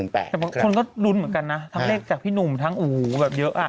แต่บางคนก็ลุ้นเหมือนกันนะทั้งเลขจากพี่หนุ่มทั้งโอ้โหแบบเยอะอ่ะ